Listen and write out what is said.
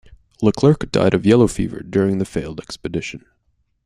Leclerc died of yellow fever during the failed expedition.